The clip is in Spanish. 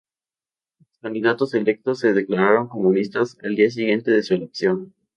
Los candidatos electos se declararon comunistas al día siguiente de su elección.